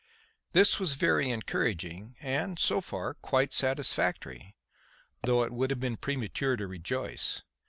This was very encouraging, and, so far, quite satisfactory, though it would have been premature to rejoice.